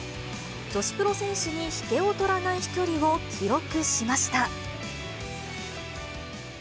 女子プロ選手に引けを取らない飛距離を記録しました。